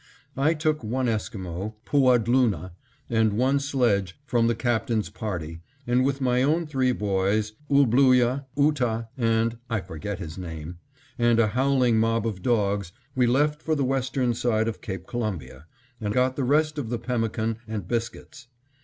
I took one Esquimo, Pooadloonah, and one sledge from the Captain's party, and with my own three boys, Ooblooyah, Ootah, and I forget his name, and a howling mob of dogs, we left for the western side of Cape Columbia, and got the rest of the pemmican and biscuits.